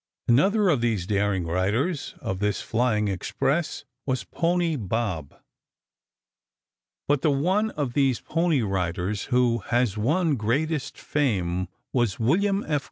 Another of these daring riders of this flying express was Pony Bob. But the one of these pony riders who has won greatest fame was William F.